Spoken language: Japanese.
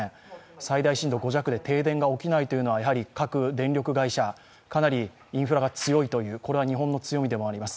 最大震度５弱で停電が起きないというのは、各電力会社、かなりインフラが強いというこれは日本の強みでもあります。